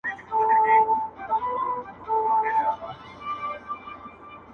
هر څوک خپل درد لري تل-